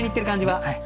はい。